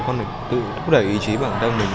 con mình tự thúc đẩy ý chí bản thân mình